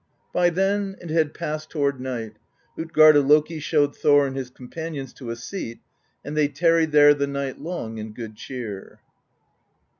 By then it had passed toward night; Utgarda Loki showed Thor and his companions to a seat, and they tar ried there the night long in good cheer.